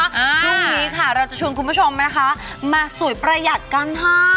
พรุ่งนี้ค่ะเราจะชวนคุณผู้ชมนะคะมาสวยประหยัดกันค่ะ